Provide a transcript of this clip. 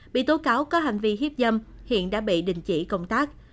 bị tố cáo có hành vi hiếp dâm hiện đã bị đình chỉ công tác